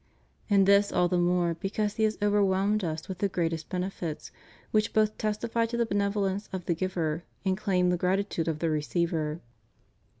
And this all the more because he has overwhelmed us with the greatest benefits, which both testify to the benevolence of the Giver and claim the gratitude of the receiver.